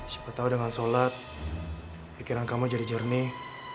siapa tahu dengan sholat pikiran kamu jadi jernih